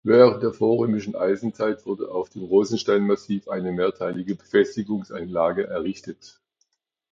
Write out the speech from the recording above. Während der vorrömischen Eisenzeit wurde auf dem Rosenstein-Massiv eine mehrteilige Befestigungsanlage errichtet.